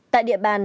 tại địa bàn